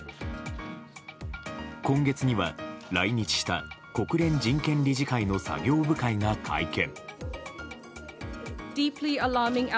今月には、来日した国連人権理事会の作業部会が会見。